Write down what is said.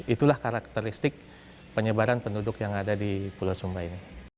itulah karakteristik penyebaran penduduk yang ada di pulau sumba ini